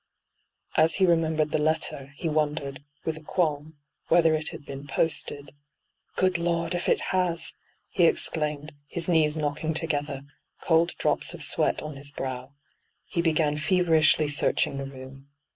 ^ As he remembered the letter, he wondered, with a qualm, whether it had been posted. ' dood Lord, if it has 1' he exclaimed, his knees knocking together, cold drops of sweat on his brow. He began feverishly searching the room.